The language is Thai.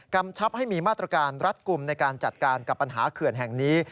ชับให้มีมาตรการรัดกลุ่มในการจัดการกับปัญหาเขื่อนแห่งนี้